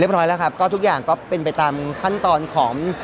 ร้อยแล้วครับก็ทุกอย่างก็เป็นไปตามขั้นตอนของ